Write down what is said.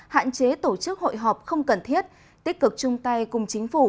hạn chế tổ chức hội họp không cần thiết tích cực chung tay cùng chính phủ